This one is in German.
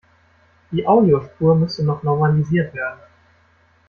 Die Audiospur müsste noch normalisiert werden.